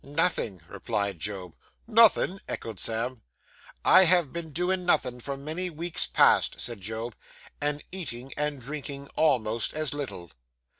'Nothing,' replied Job. 'Nothin'!' echoed Sam. 'I have been doin' nothing for many weeks past,' said Job; and eating and drinking almost as little.